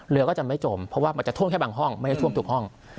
เรือก็จะไม่จมเพราะว่ามันจะท่วมแค่บางห้องไม่ได้ท่วมทุกห้อง